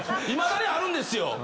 いまだにあるんですよ。